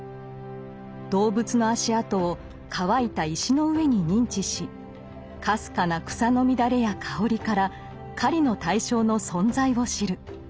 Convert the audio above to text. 動物の足跡を乾いた石の上に認知しかすかな草の乱れや香りから狩りの対象の存在を知る。